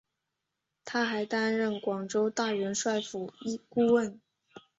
他还担任广州大元帅府顾问。